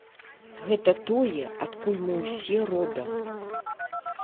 Гэта тое, адкуль мы ўсе родам.